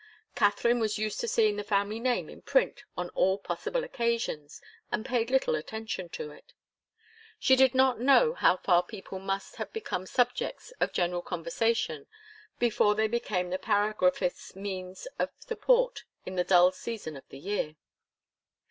Katharine was used to seeing the family name in print on all possible occasions and paid little attention to it. She did not know how far people must have become subjects of general conversation before they become the paragraphist's means of support in the dull season of the year.